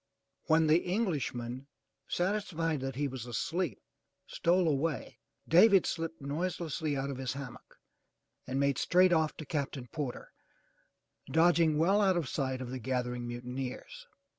When the Englishman, satisfied 354 THE TREASURE CHEST that he was asleep, stole away, David slipped noiselessly out of his hammock and made straight off to Captain Porter, dodging well out of sight of the gathering mutineers.